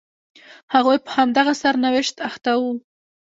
هغوی په همدغه سرنوشت اخته وو.